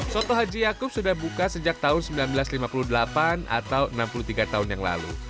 soto haji yaakub sudah buka sejak tahun seribu sembilan ratus lima puluh delapan atau enam puluh tiga tahun yang lalu